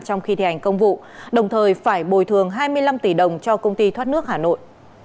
trong khi thi hành công vụ đồng thời phải bồi thường hai mươi năm tỷ đồng cho công ty thoát nước hà nội